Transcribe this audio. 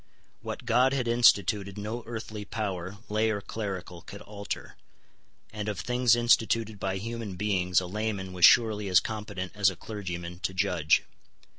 What God had instituted no earthly power, lay or clerical, could alter: and of things instituted by human beings a layman was surely as competent as a clergyman to judge.